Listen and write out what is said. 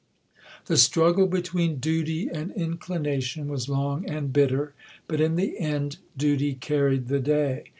The struggle between duty and inclination was long and bitter; but in the end duty carried the day.